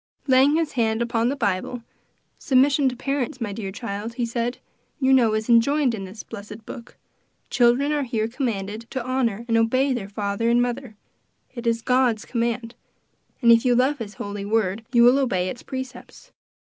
Laying his hand upon the Bible, "Submission to parents, my dear child," he said, "you know is enjoined in this blessed book; children are here commanded to honor and obey their father and mother; it is God's command, and if you love his holy word, you will obey its precepts.